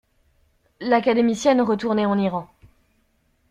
L'académicienne retournait en Iran.